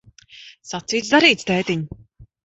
Sacīts, darīts, tētiņ.